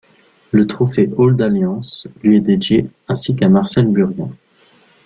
Le Trophée Auld Alliance lui est dédié, ainsi qu'à Marcel Burgun.